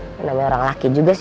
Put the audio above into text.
apa namanya orang laki juga sih